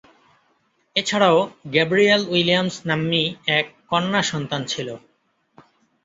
এছাড়াও, Gabrielle Williams নাম্নী এক কন্যা সন্তান ছিল।